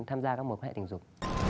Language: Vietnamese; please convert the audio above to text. tham gia các mối quan hệ tình dục